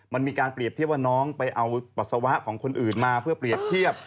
มันมีการเปรียบเทียบว่าน้องไปเอาปัสสาวะของคนอื่นมาเพื่อเปรียบเทียบ